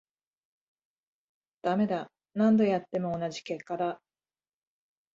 ダメだ、何度やっても同じ結果だ